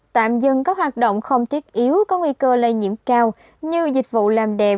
tạm dừng các hoạt động không thiết yếu có nguy cơ lây nhiễm cao như dịch vụ làm đẹp